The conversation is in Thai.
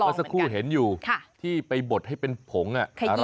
สักครู่เห็นอยู่ที่ไปบดให้เป็นผง